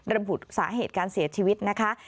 ระบุสาเหตุการเสียชีวิตนะคะ